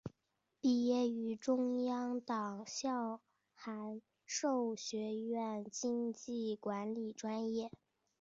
毕业于中央党校函授学院经济管理专业。